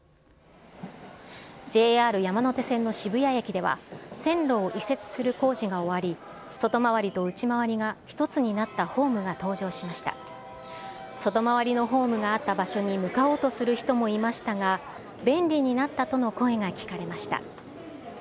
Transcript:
ＪＲ山手線の渋谷駅では、線路を移設する工事が終わり、外回りと内回りが１つになったホームが登場しました外回りのホームがあった場所に向かおうとする人もいましたが、便利になったとの声が聞かれました。